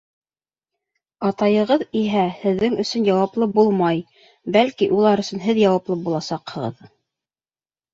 Атайығыҙ иһә һеҙҙең өсөн яуаплы булмай, бәлки улар өсөн һеҙ яуаплы буласаҡһығыҙ.